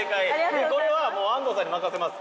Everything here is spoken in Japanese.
で、これは、もう安藤さんに任せます。